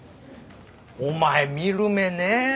お前見る目ねえな。